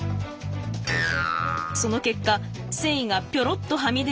その結果繊維がピョロッとはみ出る